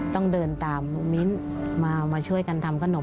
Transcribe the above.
ต้องเดินตามมิ้นมาช่วยกันทำขนม